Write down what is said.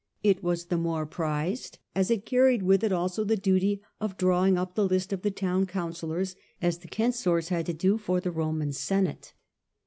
It was the more prized as it carried with it also the duty of drawing up the list of the town council lors, as the censors had to do for the Roman Senate.